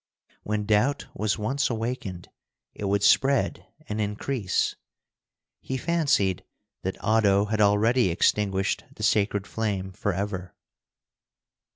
When doubt was once awakened, it would spread and increase. He fancied that Oddo had already extinguished the sacred flame forever.